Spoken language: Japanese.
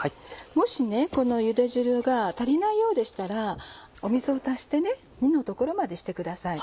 もしこのゆで汁が足りないようでしたら水を足して２の所までしてください。